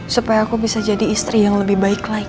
supaya aku bisa jadi istri yang lebih baik lagi